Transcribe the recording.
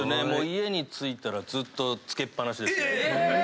家に着いたらずっとつけっ放しですね。